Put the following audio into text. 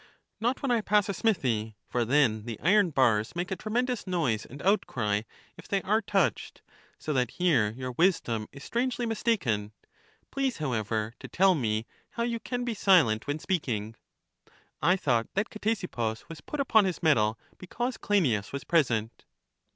Not when I pass a smithy; for then the iron bars make a tremendous noise and outcry if they are touched: so that here your wisdom is strangely mis taken; please, however, to tell me how you can be silent when speaking (I thought that Ctesippus was put upon his mettle because Cleinias was present)